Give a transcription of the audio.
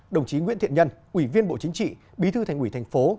đồng chí nguyễn thiện nhân ủy viên bộ chính trị bí thư thành ủy thành phố